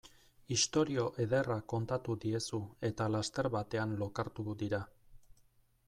Istorio ederra kontatu diezu eta laster batean lokartu dira.